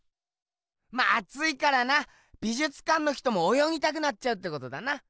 まあついからな美じゅつかんの人もおよぎたくなっちゃうってことだな。